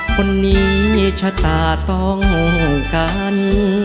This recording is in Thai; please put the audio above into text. คนนี้ชะตาต้องกัน